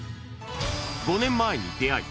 ５年前に出会い